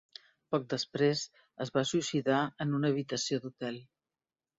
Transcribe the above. Poc després es va suïcidar en una habitació d'hotel.